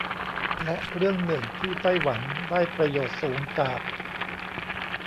และเรื่องหนึ่งที่ไต้หวันได้ประโยชน์สูงจาก